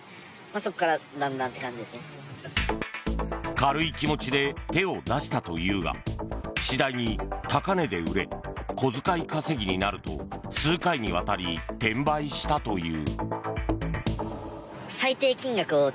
軽い気持ちで手を出したというが次第に高値で売れ小遣い稼ぎになると数回にわたり転売したという。